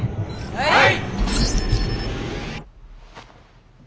はい！